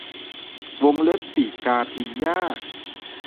วงเล็บปีกกาพิมพ์ยาก